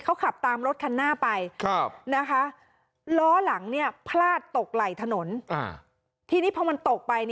เขาขับตามรถคันหน้าไปนะคะล้อหลังพลาดตกไหล่ถนนทีนี้พอมันตกไป